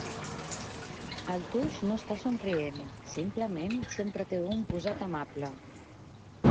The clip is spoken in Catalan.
El Tux no està somrient, simplement sempre té un posat amable.